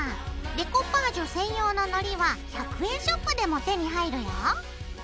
デコパージュ専用ののりは１００円ショップでも手に入るよ。